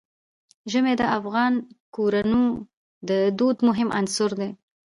ژمی د افغان کورنیو د دودونو مهم عنصر دی.